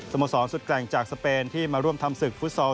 โมสรสุดแกร่งจากสเปนที่มาร่วมทำศึกฟุตซอล